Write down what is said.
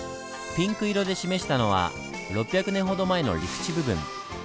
ピンク色で示したのは６００年ほど前の陸地部分。